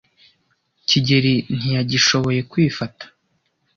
kigeli ntiyagishoboye kwifata.